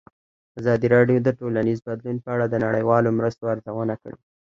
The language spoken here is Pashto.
ازادي راډیو د ټولنیز بدلون په اړه د نړیوالو مرستو ارزونه کړې.